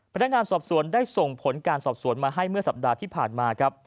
พนักงานสอบสวนได้ส่งผลการสอบสวนมาให้เมื่อสัปดาห์ที่ผ่านมาครับ